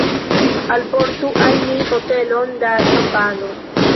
Alportu al ni botelon da ĉampano.